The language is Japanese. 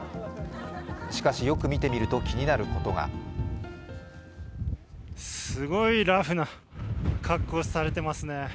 しかし、よく見てみると気になることがすごいラフな格好されていますね。